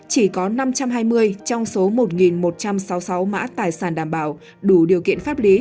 chỉ có năm trăm hai mươi trong số một một trăm sáu mươi sáu mã tài sản đảm bảo đủ điều kiện pháp lý